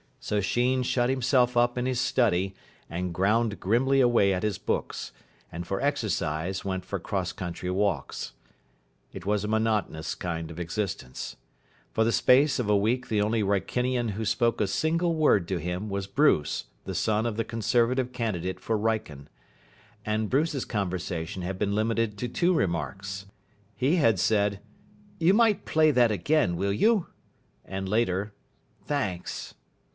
So Sheen shut himself up in his study and ground grimly away at his books, and for exercise went for cross country walks. It was a monotonous kind of existence. For the space of a week the only Wrykinian who spoke a single word to him was Bruce, the son of the Conservative candidate for Wrykyn: and Bruce's conversation had been limited to two remarks. He had said, "You might play that again, will you?" and, later, "Thanks".